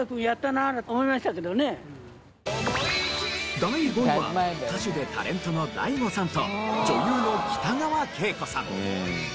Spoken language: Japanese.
第５位は歌手でタレントのＤＡＩＧＯさんと女優の北川景子さん。